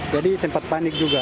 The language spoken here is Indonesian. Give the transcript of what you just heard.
jadi sempat panik juga